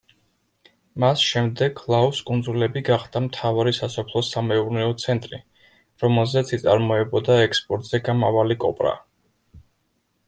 მას შემდეგ ლაუს კუნძულები გახდა მთავარი სასოფლო სამეურნეო ცენტრი, რომელზეც იწარმოებოდა ექსპორტზე გამავალი კოპრა.